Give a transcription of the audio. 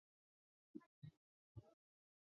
其妻赵芸蕾亦为前中国国家羽毛球队队员。